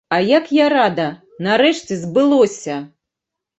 А як я рада, нарэшце збылося!